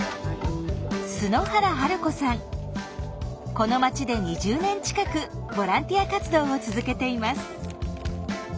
この町で２０年近くボランティア活動を続けています。